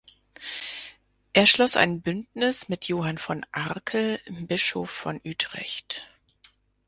Er schloss ein Bündnis mit Johann von Arkel, Bischof von Utrecht.